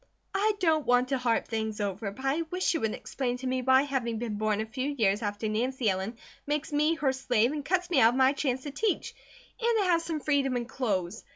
I don't want to harp things over; but I wish you would explain to me why having been born a few years after Nancy Ellen makes me her slave, and cuts me out of my chance to teach, and to have some freedom and clothes.